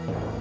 ya udah yuk